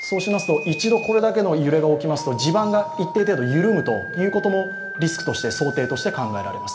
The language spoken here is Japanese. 一度これだけの揺れが起きますと地盤が一定程度緩むということも想定として考えられます。